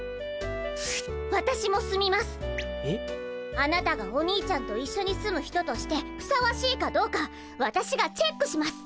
あなたがお兄ちゃんと一緒に住む人としてふさわしいかどうかわたしがチェックします！